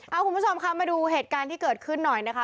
เอาคุณผู้ชมค่ะมาดูเหตุการณ์ที่เกิดขึ้นหน่อยนะคะ